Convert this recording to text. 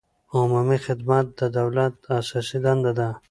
عمومي خدمت د دولت اساسي دنده ده.